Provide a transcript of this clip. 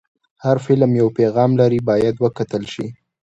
هر فلم یو پیغام لري، باید وکتل شي.